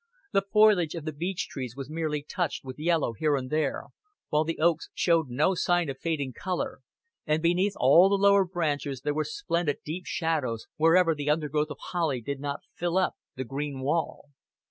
The foliage of the beech trees was merely touched with yellow here and there, while the oaks showed no sign of fading color, and beneath all the lower branches there were splendid deep shadows wherever the undergrowth of holly did not fill up the green wall.